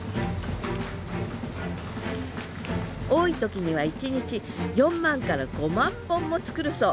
多い時には一日４万から５万本も作るそう。